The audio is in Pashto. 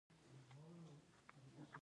کندهار د افغانستان یو طبعي ثروت دی.